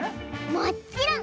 もっちろん！